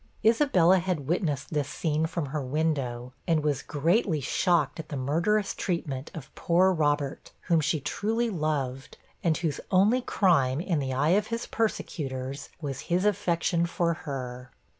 Isabella had witnessed this scene from her window, and was greatly shocked at the murderous treatment of poor Robert, whom she truly loved, and whose only crime, in the eye of his persecutors, was his affection for her.